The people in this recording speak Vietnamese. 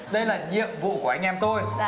đây là nhiệm vụ của anh em tôi